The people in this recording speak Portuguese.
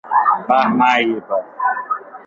Parnaíba